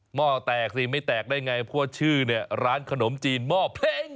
ห้อแตกสิไม่แตกได้ไงเพราะว่าชื่อเนี่ยร้านขนมจีนหม้อเพลง